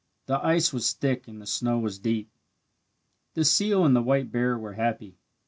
The ice was thick and the snow was deep. The seal and the white bear were happy.